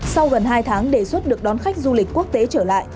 sau gần hai tháng đề xuất được đón khách du lịch quốc tế trở lại